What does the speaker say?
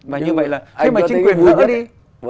và như vậy là